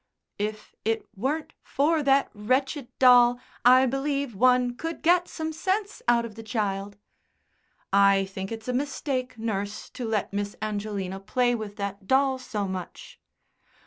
"If it weren't for that wretched doll, I believe one could get some sense out of the child." "I think it's a mistake, nurse, to let Miss Angelina play with that doll so much."